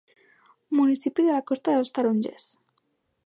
Municipi de la Costa dels Tarongers.